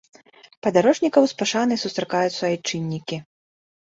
Падарожнікаў з пашанай сустракаюць суайчыннікі.